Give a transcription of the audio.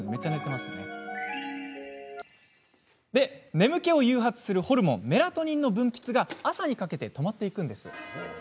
眠気を誘発するホルモンメラトニンの分泌が朝にかけて止まっていきます。